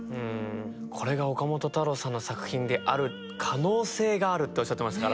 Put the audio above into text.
これが岡本太郎さんの作品である可能性があるっておっしゃってましたから。